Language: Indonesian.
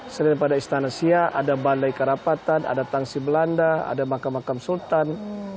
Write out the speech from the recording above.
selain pada istana siak ada balai karapan ada tangsi belanda ada makam makam sultan